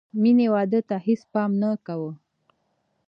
مینې واده ته هېڅ پام نه کاوه